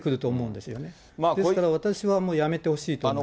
ですから私はもう辞めてほしいと思います。